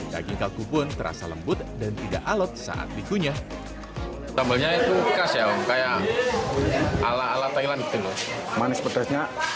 daging kalkun pun terasa lembut dan tidak alat saat digunyah